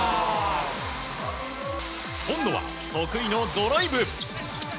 今度は、得意のドライブ。